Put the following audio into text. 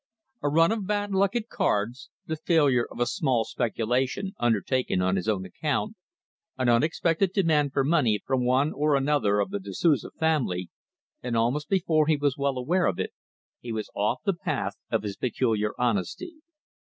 A run of bad luck at cards, the failure of a small speculation undertaken on his own account, an unexpected demand for money from one or another member of the Da Souza family and almost before he was well aware of it he was off the path of his peculiar honesty.